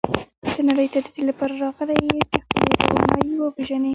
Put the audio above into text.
ته نړۍ ته د دې لپاره راغلی یې چې خپلې توانایی وپېژنې.